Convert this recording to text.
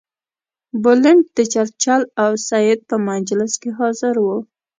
بلنټ د چرچل او سید په مجلس کې حاضر وو.